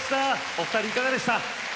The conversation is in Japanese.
お二人いかがでした？